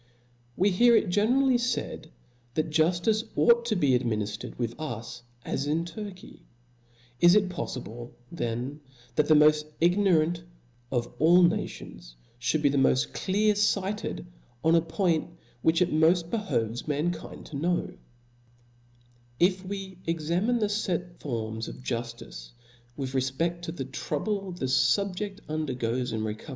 \ WE hear h generally faid, that juftice ought Book. to be adminiftercd with us as in TUrky, Is^^^^p'*^^ it poilible then that the moft ignorant of all na tions (hould be the moil: clear lighted in a point ivhich it moft behoves mankind to know \ If we examine the let forms of juftice with re 1 fpeft to the trouble the fubjeft undergoes in reco